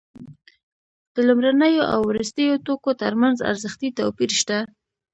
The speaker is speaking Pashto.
د لومړنیو او وروستیو توکو ترمنځ ارزښتي توپیر شته